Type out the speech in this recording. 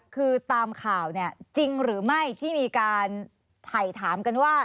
คือตามข่าวเนี่ยจริงหรือไม่ที่มีการถ่ายถามกันว่า